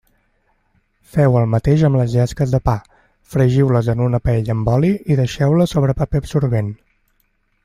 Feu el mateix amb les llesques de pa: fregiu-les en una paella amb oli i deixeu-les sobre paper absorbent.